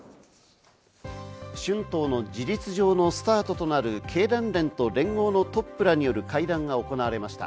春闘の事実上のスタートとなる経団連と連合のトップらによる会談が行われました。